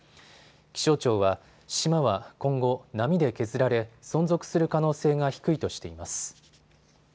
気象庁は島は今後、波で削られ存続する可能性が低いとしています。